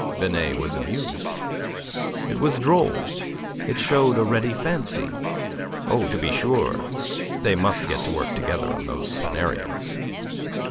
Binet was amused. It was droll; it showed a ready fancy. Oh, to be sure, they must get to work together on those scenarios.